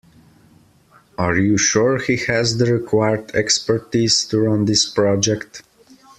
Are you sure he has the required expertise to run this project?